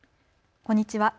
こんにちは。